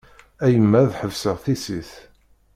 A yemma ad ḥebseɣ tissit.